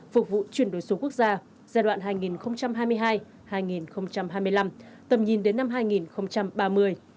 phục vụ chuyển đổi số quốc gia giai đoạn hai nghìn hai mươi hai hai nghìn hai mươi năm tầm nhìn đến năm hai nghìn ba mươi